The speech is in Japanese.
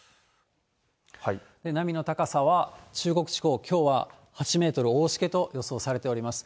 波の高さは、中国地方、きょうは８メートル、大しけと予想されております。